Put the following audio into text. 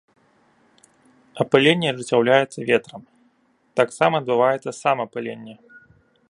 Апыленне ажыццяўляецца ветрам, таксама адбываецца самаапыленне.